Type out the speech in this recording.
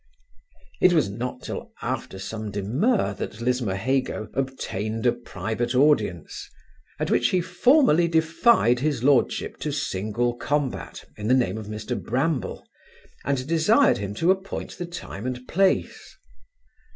It was not till after some demur that Lismahago obtained a private audience, at which he formally defied his lordship to single combat, in the name of Mr Bramble, and desired him to appoint the time and place.